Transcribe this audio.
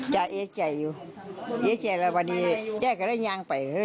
จากเอ่ยใจอยู่เอ่ยใจแล้ววันดีแจก็เลยแย่งไป